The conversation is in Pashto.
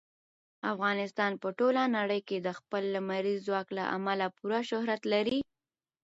افغانستان په ټوله نړۍ کې د خپل لمریز ځواک له امله پوره شهرت لري.